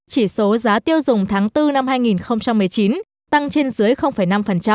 chỉ số giá tiêu dùng tháng bốn năm hai nghìn một mươi chín tăng trên dưới năm